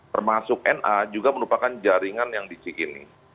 termasuk na juga merupakan jaringan yang disik ini